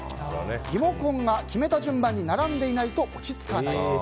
リモコンが決めた順番に並んでいないと落ち着かない。